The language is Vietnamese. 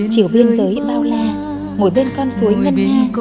chiều biên giới bao la mỗi bên con suối ngân nha